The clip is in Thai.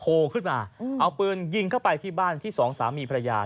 ขึ้นมาเอาปืนยิงเข้าไปที่บ้านที่สองสามีภรรยา